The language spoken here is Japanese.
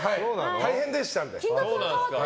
大変でしたので。